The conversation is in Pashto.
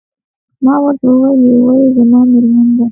ما ورته وویل: یوه يې زما میرمن ده.